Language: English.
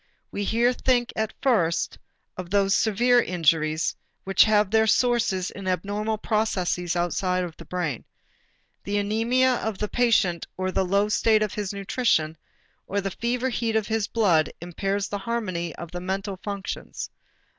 We here think at first of those severe injuries which have their sources in abnormal processes outside of the brain. The anæmia of the patient or the low state of his nutrition or the fever heat of his blood impairs the harmony of the mental functions.